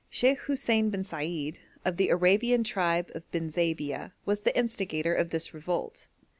Sheikh Hussein bin Said, of the Arabian tribe of Ben Zabia, was the instigator of this revolt.